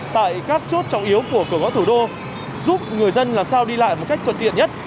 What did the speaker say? tại các chốt trọng yếu của cửa ngõ thủ đô giúp người dân làm sao đi lại một cách thuận tiện nhất